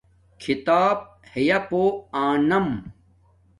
کھیتاپ ہیاپو آنم